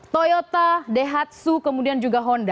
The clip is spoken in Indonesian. toyota daihatsu kemudian juga honda